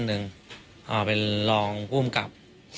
เราเป็นรองคุ้มกับ